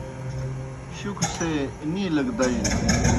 شُکھو سے نِیلہ گہ دجنَن